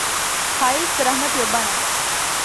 ښایست د رحمت یو بڼه ده